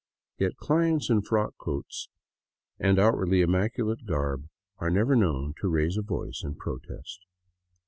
Yet clients in frock coats and outwardly immaculate garb are never known to raise a voice in protest.